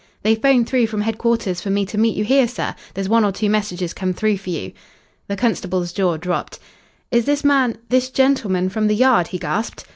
"They 'phoned through from headquarters for me to meet you here, sir. There's one or two messages come through for you." The constable's jaw dropped. "Is this man this gentleman from the Yard?" he gasped.